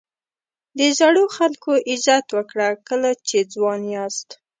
د زړو خلکو عزت وکړه کله چې ځوان یاست.